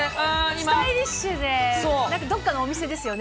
スタイリッシュで、どっかのお店ですよね。